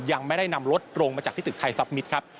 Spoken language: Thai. ยังไม่ได้นำรถลงมาจากที่ตึกไทยซับมิตรครับ